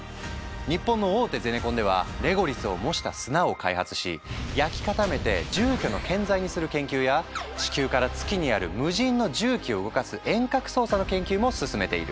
日本の大手ゼネコンではレゴリスを模した砂を開発し焼き固めて住居の建材にする研究や地球から月にある無人の重機を動かす遠隔操作の研究も進めている。